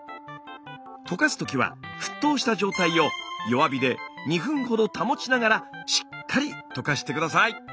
溶かすときは沸騰した状態を弱火で２分ほど保ちながらしっかり溶かして下さい。